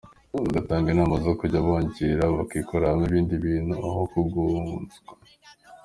Batanga inama zo kujya bongera bakabikoramo ibindi bintu aho kugugunzwa.